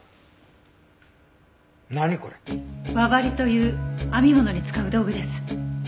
輪針という編み物に使う道具です。